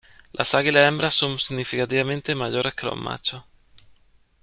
Las águilas hembras son significativamente mayores que los machos.